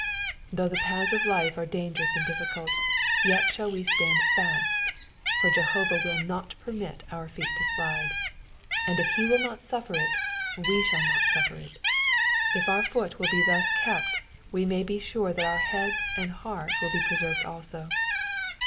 '''^ Though the paths of life are dangerous and difficult, yet we shall stand fast, for Jehovah will not peimit our feet to slide ; and if he will not sufifer it we shall not suffer it. If our foot will be thus kept we may be sure that our head and heart will be preserved also.